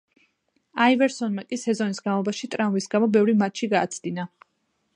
აივერსონმა კი სეზონის განმავლობაში ტრავმის გამო ბევრი მატჩი გააცდინა.